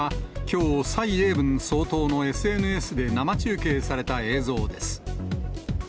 これはきょう、蔡英文総統のＳＮＳで生中継された映像です。